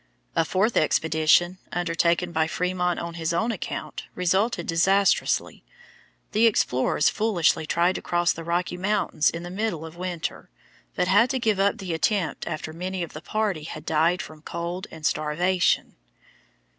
A fourth expedition, undertaken by Frémont on his own account, resulted disastrously. The explorers foolishly tried to cross the Rocky Mountains in the middle of winter, but had to give up the attempt after many of the party had died from cold and starvation.